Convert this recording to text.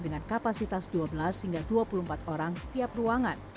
dengan kapasitas dua belas hingga dua puluh empat orang tiap ruangan